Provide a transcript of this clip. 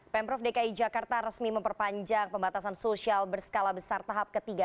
pemprov dki jakarta resmi memperpanjang pembatasan sosial berskala besar tahap ketiga